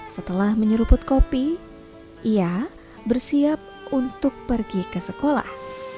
setelah menyeruput kopi ia bersiap untuk pergi ke sekolah